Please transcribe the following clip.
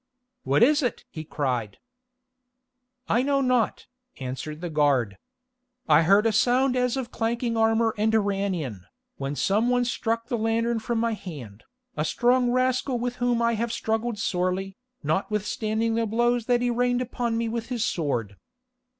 "What is it?" he cried. "I know not," answered the guard. "I heard a sound as of clanking armour and ran in, when some one struck the lantern from my hand, a strong rascal with whom I have struggled sorely, notwithstanding the blows that he rained upon me with his sword.